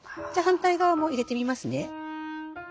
じゃ反対側も入れてみますね。